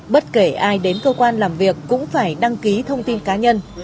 bất kể ai đến cơ quan làm việc cũng phải đăng ký thông tin cá nhân